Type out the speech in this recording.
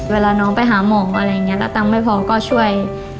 เวลาน้องไปหาหมออะไรอย่างนี้แล้วตังค์ไม่พอก็ช่วย